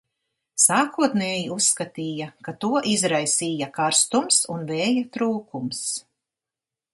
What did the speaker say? Sākotnēji uzskatīja, ka to izraisīja karstums un vēja trūkums.